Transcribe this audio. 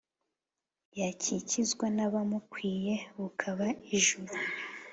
yakikizwa na bamukwiye bukaba ijuru